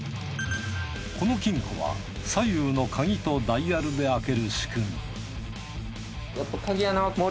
この金庫は左右の鍵とダイヤルで開ける仕組み